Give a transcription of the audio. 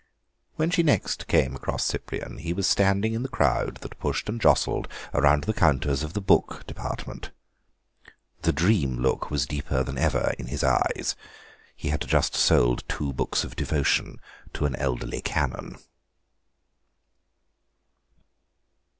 When she next came across Cyprian he was standing in the crowd that pushed and jostled around the counters of the book department. The dream look was deeper than ever in his eyes. He had just sold two books of devotion to an elderly Canon.